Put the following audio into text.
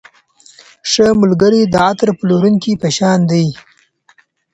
ښه ملګری د عطر پلورونکي په شان دی.